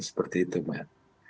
seperti itu mbak